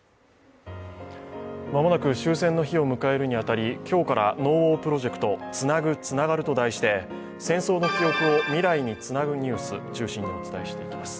間もなく終戦の日を迎えるに当たり、今日から「ＮＯＷＡＲプロジェクトつなぐ、つながる」と題して戦争の記憶を未来につなぐニュースを中心にお伝えしていきます。